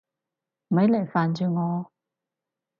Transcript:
咪嚟煩住我！